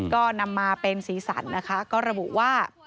ก็นำมาเป็นสีสันนะคะก็ระบุว่า